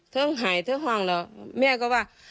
เธอหายเธอห้องแล้วแม่ก็ว่า